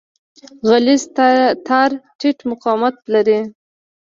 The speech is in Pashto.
غلیظ تار ټیټ مقاومت لري.